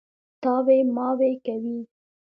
تاوې او ماوې کوي.